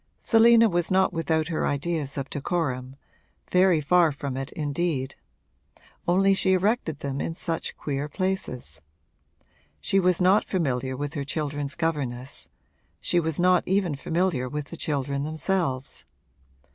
Selina was not without her ideas of decorum very far from it indeed; only she erected them in such queer places. She was not familiar with her children's governess; she was not even familiar with the children themselves.